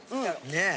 ねえ。